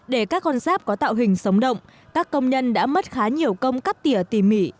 để các con giáp có tạo hình sống động các công nhân đã mất khá nhiều công cắt tỉa tỉ mỉ